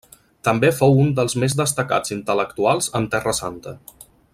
També fou un dels més destacats intel·lectuals en Terra Santa.